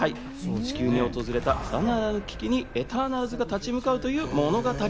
地球に訪れたさらなる危機にエターナルズが立ち向かうという物語。